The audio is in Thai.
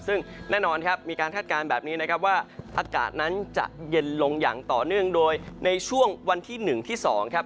ซึ่งแน่นอนครับมีการคาดการณ์แบบนี้นะครับว่าอากาศนั้นจะเย็นลงอย่างต่อเนื่องโดยในช่วงวันที่๑ที่๒ครับ